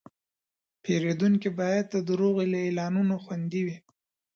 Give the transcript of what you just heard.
پیرودونکی باید د دروغو له اعلانونو خوندي وي.